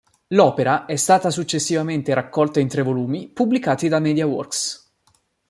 L'opera è stata successivamente raccolta in tre volumi pubblicati da Media Works.